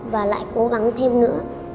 và lại cố gắng thêm nữa